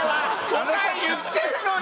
答え言ってるのに！